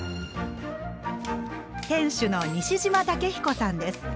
店主の西島武彦さんです。